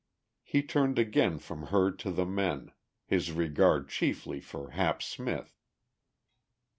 He turned again from her to the men, his regard chiefly for Hap Smith.